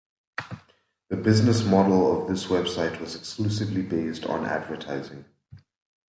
The business model of this website was exclusively based on advertising.